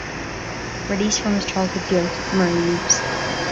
Released from his childhood guilt, Murray weeps.